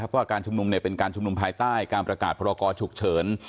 ว่าการชุมนุมเป็นการชุมนุมภายใต้การประกาศพรกรฉุกเฉิน